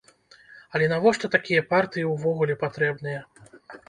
Але навошта такія партыі ўвогуле патрэбныя?